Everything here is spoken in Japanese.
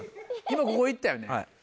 今ここ行ったよね。